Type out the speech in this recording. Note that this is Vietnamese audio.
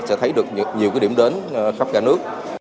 sẽ thấy được nhiều điểm đến khắp cả nước